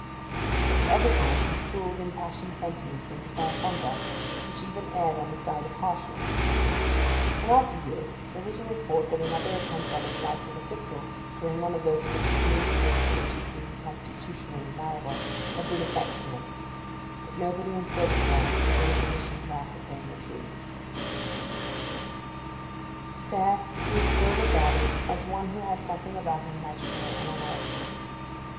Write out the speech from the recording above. But at other times he schooled impassioned sentiments into fair conduct, which even erred on the side of harshness. In after years there was a report that another attempt on his life with a pistol, during one of those fits of moodiness to which he seemed constitutionally liable, had been effectual; but nobody in Silverthorn was in a position to ascertain the truth. There he is still regarded as one who had something about him magical and unearthly.